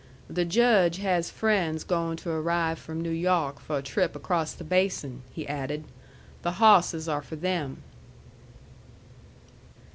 "The Judge has friends goin' to arrive from New Yawk for a trip across the Basin," he added. "The hawsses are for them."